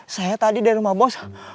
saya tadi dari rumah bos